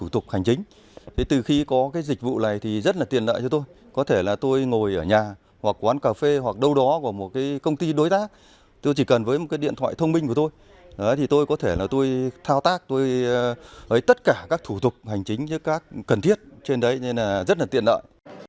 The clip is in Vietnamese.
tất cả các thủ tục hành chính các cần thiết trên đấy rất tiện lợi